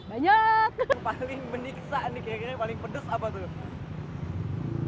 yang paling meniksa yang paling pedas apa tuh